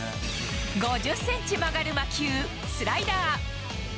５０センチ曲がる魔球、スライダー。